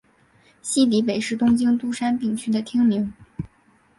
西荻北是东京都杉并区的町名。